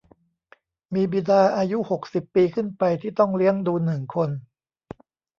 มีบิดาอายุ หกสิบ ปีขึ้นไป ที่ต้องเลี้ยงดู หนึ่ง คน